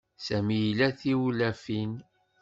Sami ila tiwlafin.